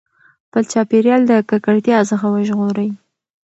خپل چاپېریال د ککړتیا څخه وژغورئ.